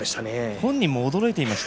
本人も驚いていました。